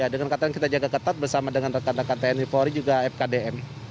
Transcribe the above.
dengan kata yang kita jaga ketat bersama dengan rekan rekan tni polri juga fkdm